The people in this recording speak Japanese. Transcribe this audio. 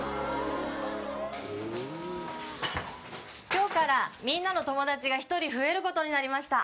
「今日からみんなの友達が一人増えることになりました」